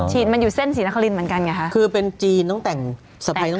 มันอยู่เส้นศรีนครินเหมือนกันไงคะคือเป็นจีนต้องแต่งสะพายต้อง